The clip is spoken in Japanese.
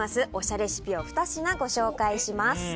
レシピを２品、ご紹介します。